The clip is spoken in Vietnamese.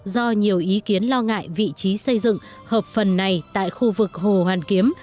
do nhiều ý kiến lo ngại vị trí xây dựng hợp phần này tại khu vực hồ hoàn kiếm